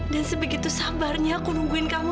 dan sebegitu sabarnya aku nungguin kamu